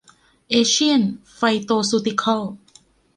เอเชียน ไฟย์โตซูติคอลส์